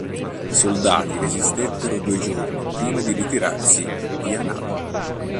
I soldati resistettero due giorni prima di ritirarsi via nave.